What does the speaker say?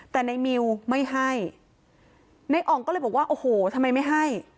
แต่ในมิวไม่ให้ในอ่องก็เลยบอกว่าโอ้โหทำไมไม่ให้